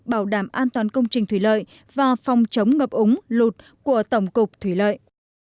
bảo đảm an toàn công trình thủy lợi và phòng chống ngập úng lụt của tổng cục thủy lợi